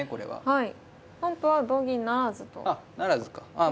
はい。